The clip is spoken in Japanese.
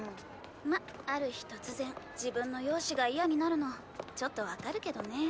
まある日突然自分の容姿がイヤになるのちょっとわかるけどね。